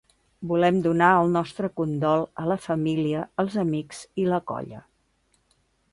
Volem donar el nostre condol a la família, els amics i la colla.